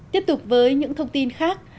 tiếp tục với những thông tin khác